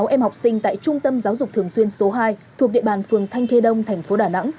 sáu em học sinh tại trung tâm giáo dục thường xuyên số hai thuộc địa bàn phường thanh khê đông thành phố đà nẵng